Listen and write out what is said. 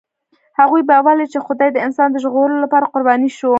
هغوی باور لري، چې خدای د انسان د ژغورلو لپاره قرباني شو.